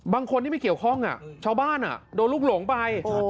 บางคนที่ไม่เกี่ยวข้องชาวบ้านโดนลูกหลงไป